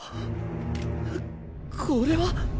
これは。